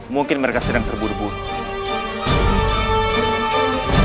mungkin mereka sedang terburu buru